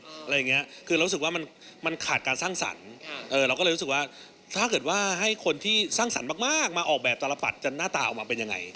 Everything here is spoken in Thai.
อะไรอย่างเงี้ยคือเรารู้สึกว่ามันมันขาดการสร้างสรรค์เราก็เลยรู้สึกว่าถ้าเกิดว่าให้คนที่สร้างสรรค์มากมาออกแบบตลปัดจะหน้าตาออกมาเป็นยังไง